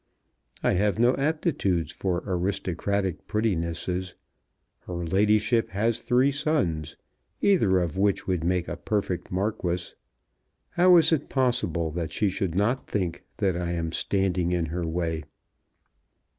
I have no aptitudes for aristocratic prettinesses. Her ladyship has three sons, either of which would make a perfect marquis. How is it possible that she should not think that I am standing in her way?"